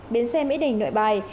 biến xe mỹ đình nội bài